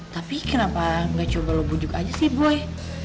tapi kenapa gak coba lo bujuk aja sih boy